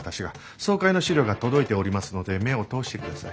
総会の資料が届いておりますので目を通してください。